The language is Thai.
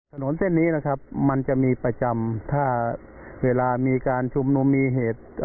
ถนนเส้นนี้นะครับมันจะมีประจำถ้าเวลามีการชุมนุมมีเหตุ